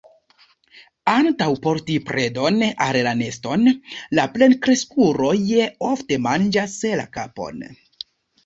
Antaŭ porti predon al la neston, la plenkreskuloj ofte manĝas la kapon.